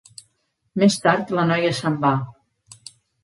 Més tard la noia se'n va.